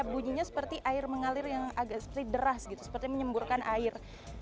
bunyinya seperti air mengalir yang agak seperti deras gitu seperti menyemburkan air